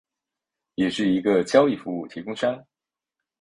也是一个交易服务供应商。